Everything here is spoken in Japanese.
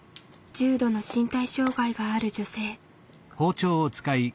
重度の身体障害がある女性。